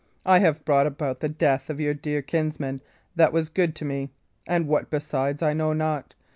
I have brought about the death of your dear kinsman that was good to me. And what besides, I know not.